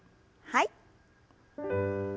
はい。